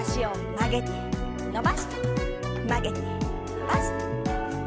曲げて伸ばして。